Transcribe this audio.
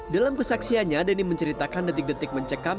dalam kesaksiannya dhani menceritakan detik detik mencekam